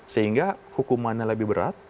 sehingga hukumannya lebih berat